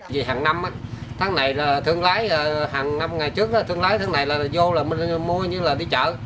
vì hàng năm tháng này là thương lái hàng năm ngày trước thương lái tháng này là vô là mua như là đi chợ